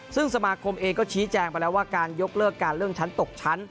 ซึ่งสมาคมเองก็ชี้แจงไปแล้วว่าการยกเลิกการเลื่อนชั้นตกชั้น